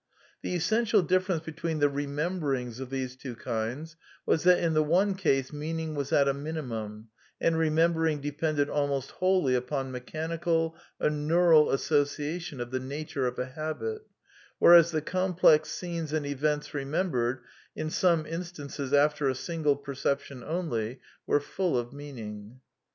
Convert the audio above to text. The essential difference between the rememberings of these two kinds was that in the one case meaning was at a minimum, and remembering depended almost wholly upon mechanical or neural association of the nature of a habit; whereas the com plex scenes and events remembered (in some instances after a single perception only) were full of meaning.'